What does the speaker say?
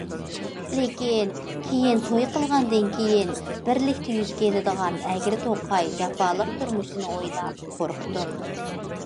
لېكىن كېيىن توي قىلغاندىن كېيىن بىرلىكتە يۈز كېلىدىغان ئەگرى- توقاي جاپالىق تۇرمۇشنى ئويلاپ قورقتۇم.